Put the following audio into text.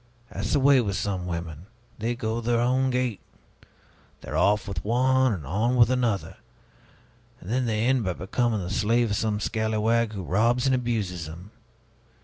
That's the way with some women they go their own gait, they're off with one and on with another, and then they end by becoming the slave of some scalawag who robs and abuses them!